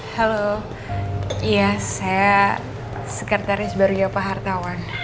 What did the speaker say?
halo ya saya sekretaris baru ya pak hartawan